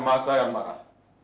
masa yang marah